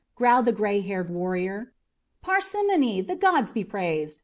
growled the gray haired warrior. "Parsimony the gods be praised!